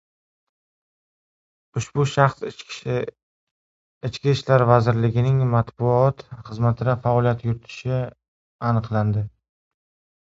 Ushbu shaxs Ichki ishlar vazirligining matbuot xizmatida faoliyat yuritishi aniqlandi.